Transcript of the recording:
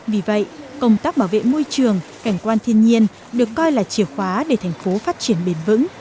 vì vậy công tác bảo vệ môi trường cảnh quan thiên nhiên được coi là chìa khóa để thành phố phát triển bền vững